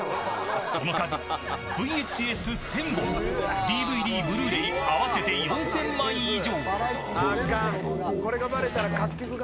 その数、ＶＨＳ１０００本ＤＶＤ、ブルーレイ合わせて４０００枚以上。